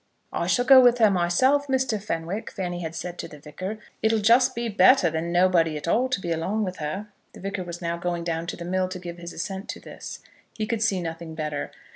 "I shall go with her myself, Mr. Fenwick," Fanny had said to the Vicar; "it'll just be better than nobody at all to be along with her." The Vicar was now going down to the mill to give his assent to this. He could see nothing better.